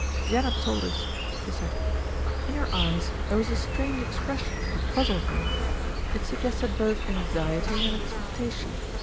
"Janet told us," she said. In her eyes there was a strange expression that puz zled him. It suggested both anxiety and expectation.